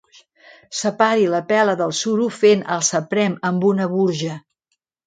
Separi la pela del suro fent alçaprem amb una burja.